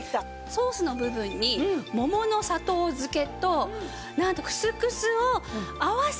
ソースの部分に桃の砂糖漬けとなんとクスクスを合わせてあるものなんです。